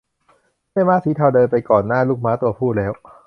แม่ม้าสีเทาเดินไปก่อนหน้าลูกม้าตัวผู้แล้ว